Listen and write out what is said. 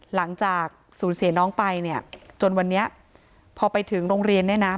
หลังจากสูญเสียน้องไปเนี่ยจนวันนี้พอไปถึงโรงเรียนเนี่ยนะ